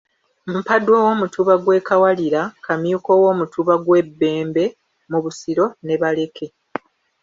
Mpadwa ow'Omutuba gw'e Kawalira, Kamyuka ow'Omutuba gw'e Bbembe mu Busiro, ne Baleke.